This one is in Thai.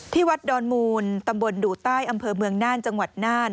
ที่วัดดอนมูลตำบลดุใต้อำเภอเมืองน่านจังหวัดน่าน